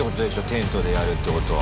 テントでやるってことは。